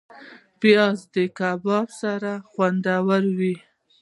پیاز د کباب سره خوندور وي